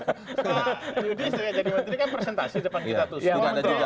pak yudi jadi menteri kan presentasi depan kita tuh